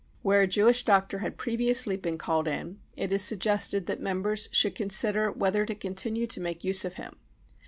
Where a Jewish doctor had previously been called in, it is suggested that mem bers should consider whether to continue to make use of him.